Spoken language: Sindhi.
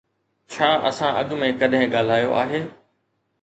ڇا اسان اڳ ۾ ڪڏهن ڳالهايو آهي؟